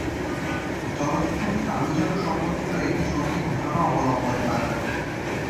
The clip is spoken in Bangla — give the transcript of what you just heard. চলচ্চিত্রটি কালো জাদু সম্পর্কিত একটি সত্যি ঘটনা অবলম্বনে বানানো।